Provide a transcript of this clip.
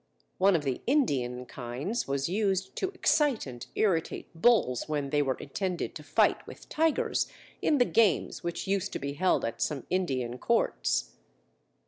One of the Indian kinds was used to excite and irritate bulls when they were intended to fight with tigers in the games which used to be held at some Indian Courts.